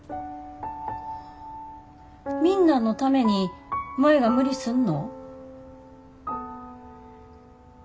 みんなのために舞が無理すんの？